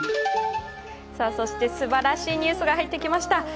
すばらしいニュースが入ってきました。